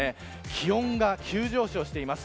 気温が急上昇しています。